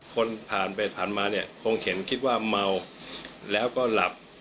คนผ่านไปผ่านมาเนี่ยคงเข็นคิดว่าเมาแล้วก็หลับ